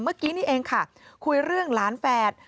เมื่อกี้นี่เองค่ะคุยเรื่องหลานแฝด